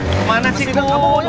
kemana sih bu